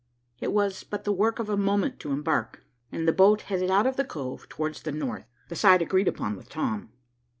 It was but the work of a moment to embark, and the boat headed out of the cove towards the north, the side agreed upon with Tom.